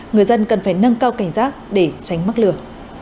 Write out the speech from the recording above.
người dân cần phải nâng cao cảnh giác để tránh mắc lừa